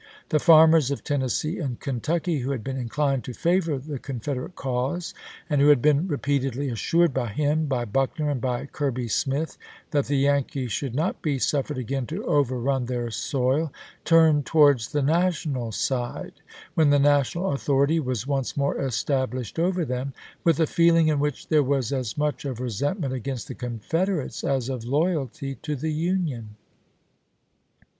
The farmers of Ten nessee and Kentucky, who had been inclined to favor the Confederate cause, and who had been repeatedly assured, by him, by Buckner, and by Kirby Smith, that the Yankees should not be suf fered again to overrun their soil, turned towards the national side, when the national authority was once more established over them, with a feeling in which there was as much of resentment against the Confederates as of loyalty to the Union.